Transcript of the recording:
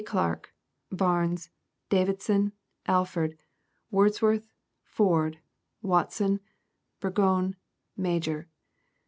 Clarke, Barnes, Davidson, Alford, Wordsworth, Ford, Watson, Burgon, Major.